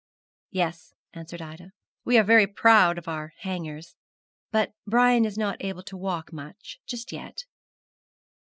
'Yes,' answered Ida, 'we are very proud of our hangers; but Brian is not able to walk much just yet.'